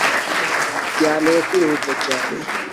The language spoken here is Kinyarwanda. yanteye kwihuta cyane